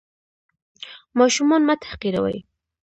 ماشومان مه تحقیروئ.